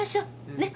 ねっ！